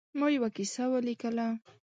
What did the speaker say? ما یوه کیسه ولیکله.